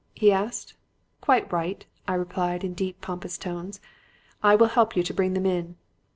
he asked. "'Quite right,' I replied in deep, pompous tones; 'I will help you to bring them in.'